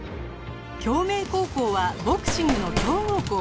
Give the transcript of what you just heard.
京明高校はボクシングの強豪校